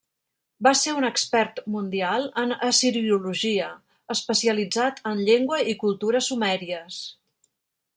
Va ser un expert mundial en assiriologia, especialitzat en llengua i cultura sumèries.